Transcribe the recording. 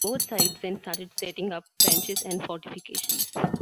Both sides then started setting up trenches and fortifications.